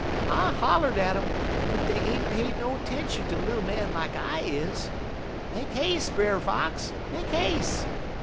I holler'd at um, but dey ain't pay no 'tention ter little man lak I is. Make 'a'se, Brer Fox! make 'a'se!